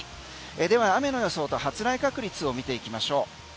では雨の予想と発雷確率を見ていきましょう。